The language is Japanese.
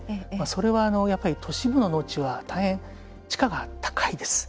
それは都市部の農地は大変、地価が高いです。